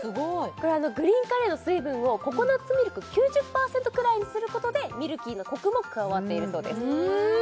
これはグリーンカレーの水分をココナッツミルク９０％くらいにすることでミルキーなコクも加わっているそうです